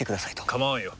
構わんよ。